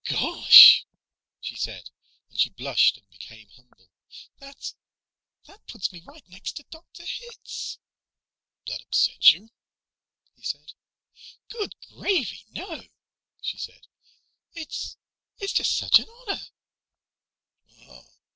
"Gosh " she said, and she blushed and became humble "that that puts me right next to Dr. Hitz." "That upsets you?" he said. "Good gravy, no!" she said. "It's it's just such an honor."